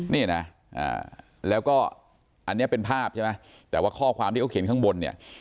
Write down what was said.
นี่นะแล้วก็อันนี้เป็นภาพใช่ไหมแต่ว่าข้อความที่เขาเขียนข้างบนเนี่ย